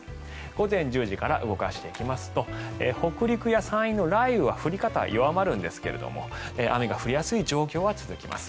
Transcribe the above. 午前１０時から動かしていきますと北陸や山陰の雷雨は降り方、弱まるんですが雨が降りやすい状況は続きます。